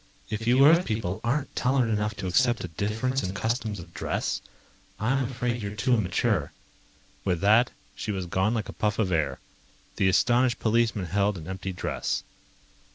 If you Earth people aren't tolerant enough to accept a difference in customs of dress, I'm afraid you're too immature." With that, she was gone like a puff of air. The astonished policemen held an empty dress.